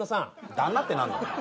旦那って何だよ